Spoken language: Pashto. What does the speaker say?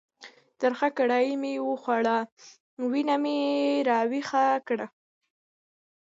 ترخه کړایي چې مې وخوړه، وینه مې را ویښه کړه.